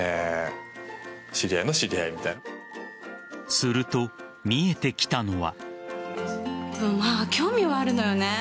すると、見えてきたのは。